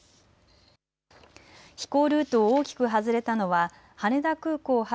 飛行ルートを大きく外れたのは羽田空港発